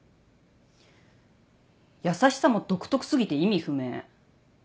優しさも独特過ぎて意味不明。